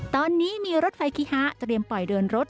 ตอนนี้มีรถไฟคิฮะเตรียมปล่อยเดินรถ